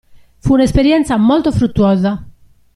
Fu un'esperienza molto fruttuosa.